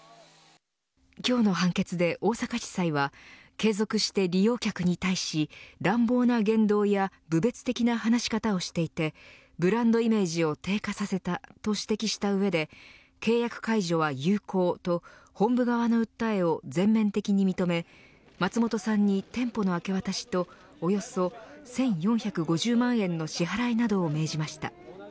今日の判決で大阪地裁は継続して利用客に対し乱暴な言動や侮蔑的な話し方をしていてブランドイメージを低下させたと指摘した上で契約解除は有効と本部側の訴えを全面的に認め、松本さんに店舗の明け渡しと、およそ１４５０万円の支払いなどを命じました。